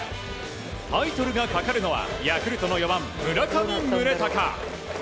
タイトルがかかるのはヤクルトの４番、村上宗隆。